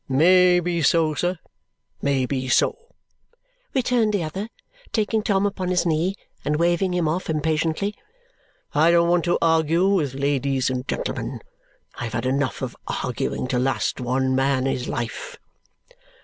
"May be so, sir, may be so," returned the other, taking Tom upon his knee and waving him off impatiently. "I don't want to argue with ladies and gentlemen. I have had enough of arguing to last one man his life."